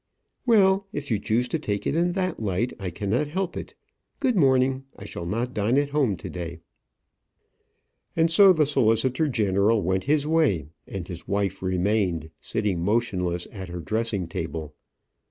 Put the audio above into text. "Well, if you choose to take it in that light, I cannot help it. Good morning. I shall not dine at home to day." And so the solicitor general went his way, and his wife remained sitting motionless at her dressing table.